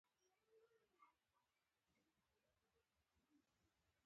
ټول د همدې خاورې ډوډۍ خوري.